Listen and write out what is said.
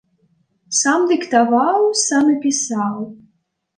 Сам дыктаваў, сам і пісаў.